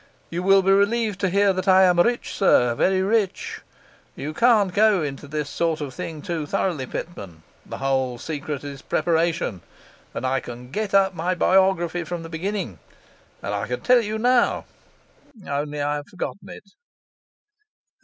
You will be relieved to hear that I am rich, sir, very rich. You can't go into this sort of thing too thoroughly, Pitman; the whole secret is preparation, and I can get up my biography from the beginning, and I could tell it you now, only I have forgotten it.